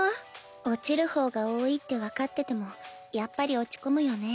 落ちる方が多いって分かっててもやっぱり落ち込むよね。